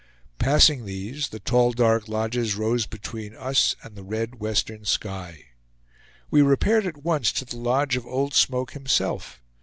Passing these, the tall dark lodges rose between us and the red western sky. We repaired at once to the lodge of Old Smoke himself.